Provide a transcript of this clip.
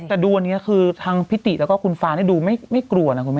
แต่ดูอันนี้คือทางพิติแล้วก็คุณฟ้าดูไม่กลัวนะคุณแม่